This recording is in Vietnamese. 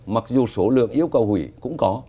mặc dù số lượng yêu cầu hủy cũng có